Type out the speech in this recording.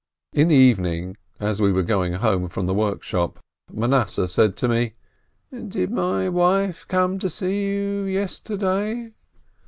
In the evening, as we were going home from the workshop, Manasseh said to me : "Did my wife come to see you yesterday?"